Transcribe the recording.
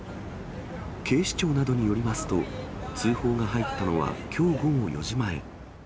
警視庁などによりますと、通報が入ったのはきょう午後４時前。